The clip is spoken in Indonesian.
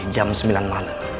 jam sembilan malam